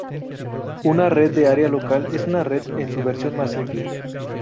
Una red de área local es una red en su versión más simple.